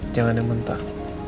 jangan yang mentah